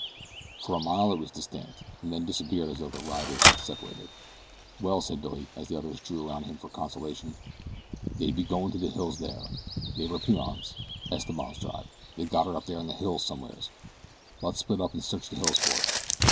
For a mile it was distinct, and then disappeared as though the riders had separated. "Well," said Billy, as the others drew around him for consultation, "they'd be goin' to the hills there. They was Pimans Esteban's tribe. They got her up there in the hills somewheres. Let's split up an' search the hills for her.